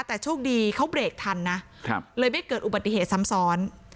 แต่โชคดีเขาเบรกทันนะเลยไม่เกิดอุบัติเหตุซ้ำซ้อน